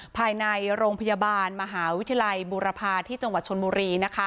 ภายในโรงพยาบาลมหาวิทยาลัยบุรพาที่จังหวัดชนบุรี